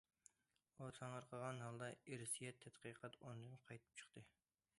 ئۇ تېڭىرقىغان ھالدا ئىرسىيەت تەتقىقات ئورنىدىن قايتىپ چىقتى.